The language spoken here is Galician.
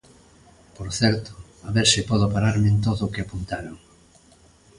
Por certo, a ver se podo pararme en todo o que apuntaron.